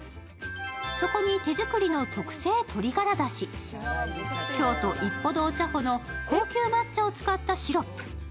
そこに手作りの特製鶏ガラだし、京都・一保堂茶舗の高級抹茶を使ったシロップ。